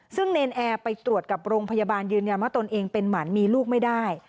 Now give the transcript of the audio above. ซึ่งเนรนแอร์ไปตรวจกับโรงพยาบาลยืนยันว่าตนเองเป็นหมันมีลูกไม่ได้